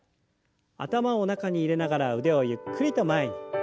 頭を中に入れながら腕をゆっくりと前に。